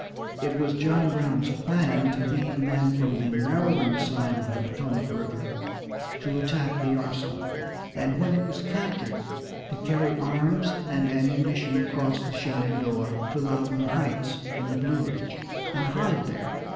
It was John Brown's plan to lead men from the Maryland side of the Potomac River to attack the arsenal, and when it was captured to carry arms and ammunition across the Shenandoah to Loudoun Heights in the Blue Ridge, and hide there.